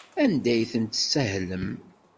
Anda ay ten-tessahlem?